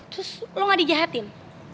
terus lo gak dijahatin